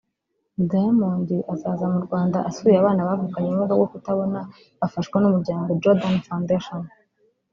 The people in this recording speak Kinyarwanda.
Diamond azava mu Rwanda asuye abana bavukanye ubumuga bwo kutabona bafashwa n’ Umuryango Jordan Foundation